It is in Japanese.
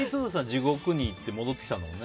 地獄に行って戻ってきたもんね。